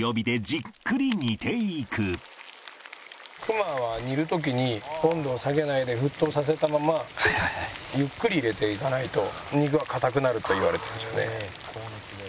熊は煮る時に温度を下げないで沸騰させたままゆっくり入れていかないと肉が硬くなるといわれてるんですよね。